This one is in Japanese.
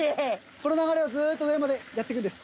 この流れをずっと上までやっていくんです。